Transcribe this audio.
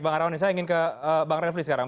bang arwani saya ingin ke bang refli sekarang